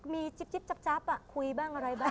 มีจิ๊บจับคุยบ้างอะไรบ้าง